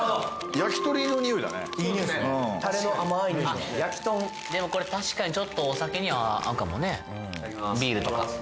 焼き豚でもこれ確かにちょっとお酒には合うかもねビールとかいただきます